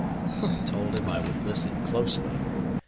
I told him I would listen closely.